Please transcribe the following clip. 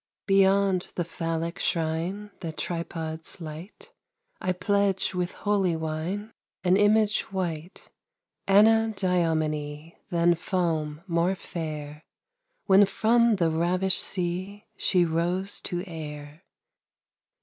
Beyond the phallic shrine That tripods light, I pledge with holy wine An image white; Anadyomene, Than foam more fair, When from the ravished sea She rose to air.